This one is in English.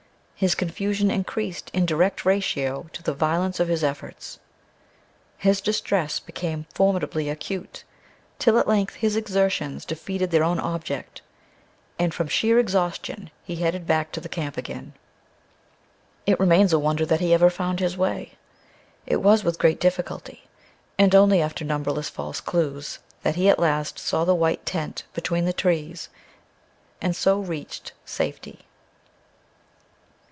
His confusion increased in direct ratio to the violence of his efforts. His distress became formidably acute, till at length his exertions defeated their own object, and from sheer exhaustion he headed back to the camp again. It remains a wonder that he ever found his way. It was with great difficulty, and only after numberless false clues, that he at last saw the white tent between the trees, and so reached safety.